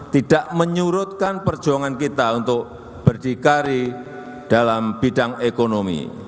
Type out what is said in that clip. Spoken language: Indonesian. tidak menyurutkan perjuangan kita untuk berdikari dalam bidang ekonomi